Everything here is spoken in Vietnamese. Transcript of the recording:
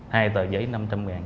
hai tờ giấy năm trăm linh ngàn